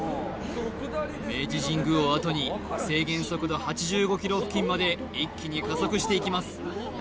明治神宮をあとに制限速度８５キロ付近まで一気に加速していきます